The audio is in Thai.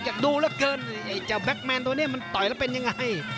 อยากดูแล้วเกินไอ้เจ้าแบตแมนตัวนี้ต่อยล่ะเป็นยังไง